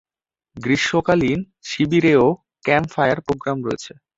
গ্রীষ্মকালীন শিবিরেও campfire programme রয়েছে।